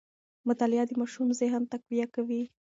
مطالعه د ماشوم ذهن تقویه کوي.